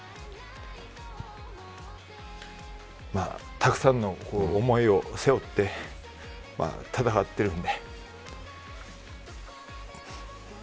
たくさんの思いを背負って戦ってるんで。